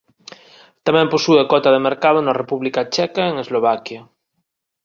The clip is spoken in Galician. Tamén posúe cota de mercado na República Checa e en Eslovaquia.